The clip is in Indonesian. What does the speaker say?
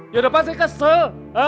ya udah pasti kesel